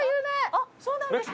あっそうなんですか。